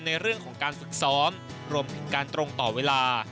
ในเรื่องของการฝึกซ้อมรวมถึงการตรงต่อเวลา